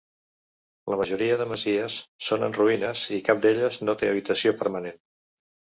La majoria de masies són en ruïnes, i cap d'elles no té habitació permanent.